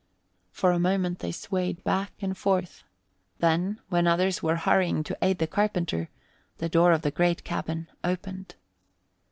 For a moment they swayed back and forth; then, when others were hurrying to aid the carpenter, the door of the great cabin opened.